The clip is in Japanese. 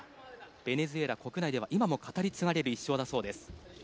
ベネズエラ国内では今でも語り継がれる１勝だそうです。